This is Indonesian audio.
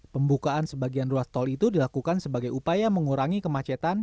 pembukaan sebagian ruas tol itu dilakukan sebagai upaya mengurangi kemacetan